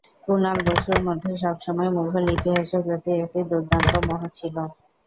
কুনাল বসুর মধ্যে সবসময় মুঘল ইতিহাসের প্রতি একটি দুর্দান্ত মোহ ছিল।